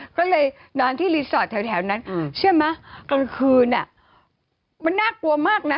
ก็เลยนอนที่รีสอร์ทแถวนั้นเชื่อมั้ยกลางคืนอ่ะมันน่ากลัวมากนะ